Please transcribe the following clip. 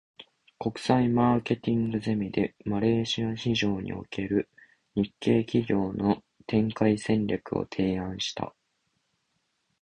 国際マーケティングゼミで、マレーシア市場における日系企業の展開戦略を提案した。